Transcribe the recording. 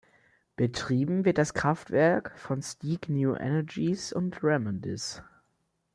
Betrieben wird das Kraftwerk von Steag New Energies und Remondis.